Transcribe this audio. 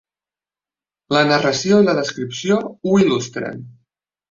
La narració i la descripció ho il·lustren.